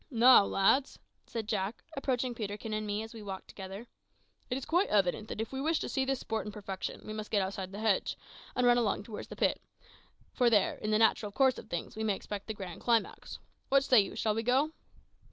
"Now, lads," said Jack, approaching Peterkin and me as we walked together, "it is quite evident that if we wish to see this sport in perfection we must get outside the hedge, and run along towards the pit; for there, in the natural course of things, we may expect the grand climax. What say you? Shall we go?"